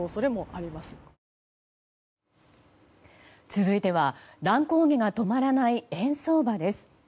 続いては乱高下が止まらない円相場です。